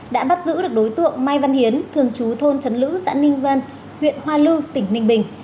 đã bắt giữ được đối tượng mai văn hiến thường chú thôn trấn lữ xã ninh vân huyện hoa lư tỉnh ninh bình